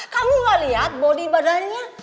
kamu nggak liat body badannya